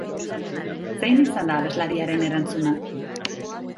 Zein izan da abeslariaren erantzuna?